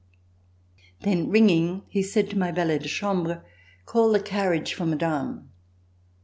Then ringing, he said to my valet de chambre: "Call the carriage for Madame."